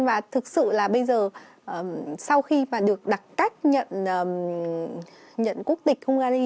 và thực sự là bây giờ sau khi mà được đặt cách nhận quốc tịch hungary